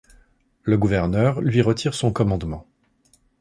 Le gouverneur lui retire son commandement.